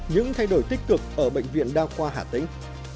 những thay đổi tích cực ở bệnh viện đa khoa hà tĩnh